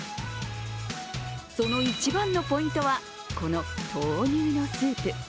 その一番のポイントは、この豆乳のスープ。